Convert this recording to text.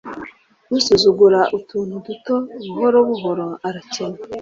usuzugura utuntu duto buhoro buhoro arakena.